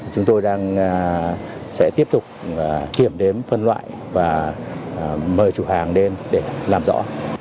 chúng tôi sẽ tiếp tục kiểm đếm phân loại và mời chủ hàng đến để làm rõ